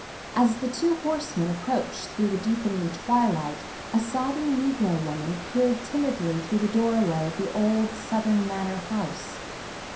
As the two horsemen approached through the deepening twilight a sobbing negro woman peered timidly through the doorway of the old Southern manor house.